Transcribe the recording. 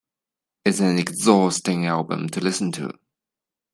It's an exhausting album to listen to.